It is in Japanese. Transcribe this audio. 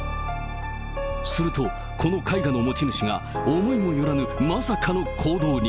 すると、この絵画の持ち主が思いもよらぬまさかの行動に。